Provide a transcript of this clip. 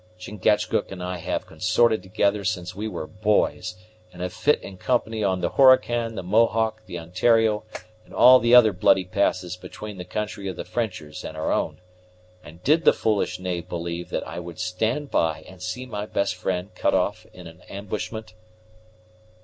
"Chingachgook and I have consorted together since we were boys, and have fi't in company on the Horican, the Mohawk, the Ontario, and all the other bloody passes between the country of the Frenchers and our own; and did the foolish knave believe that I would stand by and see my best friend cut off in an ambushment?"